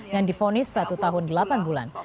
yang difonis satu tahun delapan bulan